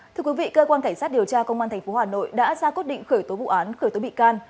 thưa quý vị cơ quan cảnh sát điều tra công an tp hà nội đã ra quyết định khởi tố vụ án khởi tố bị can